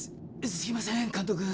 すいません監督。